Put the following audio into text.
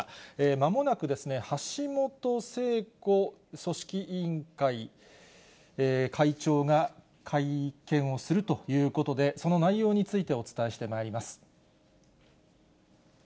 まもなくですね、橋本聖子組織委員会会長が会見をするということで、その内容についてお伝えしてまいります。